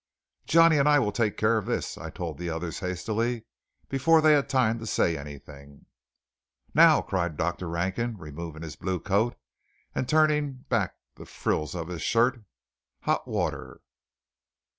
"Johnny and I will take care of this," I told the others hastily, before they had time to say anything. "Now," cried Dr. Rankin, removing his blue coat, and turning back the frills of his shirt, "hot water!"